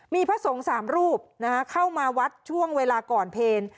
มีพระสงฆ์๓รูปเข้ามาวัดช่วงเวลาก่อนเพล